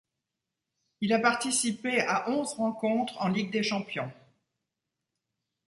Il a participé à onze rencontres en Ligue des champions.